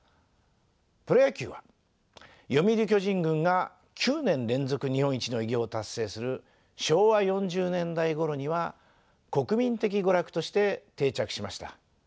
プロ野球は読売巨人軍が９年連続日本一の偉業を達成する昭和４０年代ごろには国民的娯楽として定着しました。